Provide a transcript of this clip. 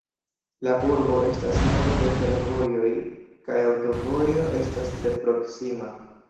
La urbo estas nodo de fervojoj kaj aŭtovojo estas tre proksima.